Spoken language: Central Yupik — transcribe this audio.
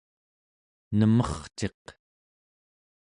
nemerciq